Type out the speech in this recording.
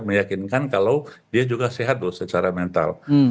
meyakinkan kalau dia juga sehat secara mental